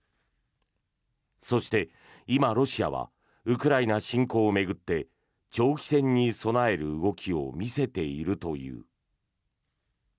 そして、今、ロシアはウクライナ侵攻を巡って長期戦に備える動きを見せているという。